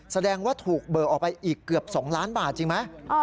แสดงว่าถูกเบิกออกไปอีกเกือบ๒ล้านบาทจริงไหม